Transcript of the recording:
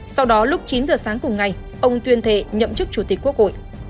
sau đó lúc chín giờ sáng cùng ngày ông tuyên thệ nhậm chức chủ tịch quốc hội